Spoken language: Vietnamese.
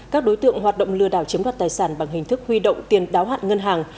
các đối tượng hoạt động lừa đảo chiếm đoạt tài sản bằng hình thức huy động tiền đáo hạn ngân hàng